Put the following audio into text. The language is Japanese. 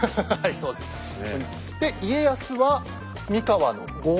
そうですね。